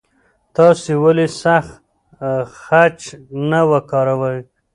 تاسو ولې سخت خج نه وکاروئ؟